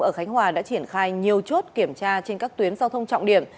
ở khánh hòa đã triển khai nhiều chốt kiểm tra trên các tuyến giao thông trọng điểm